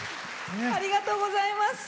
ありがとうございます。